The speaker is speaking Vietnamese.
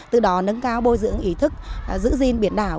từ đó nâng cao bồi dưỡng ý thức giữ gìn biển đảo